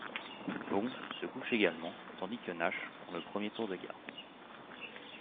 Bond se couche également tandis que Nash prend le premier tour de garde.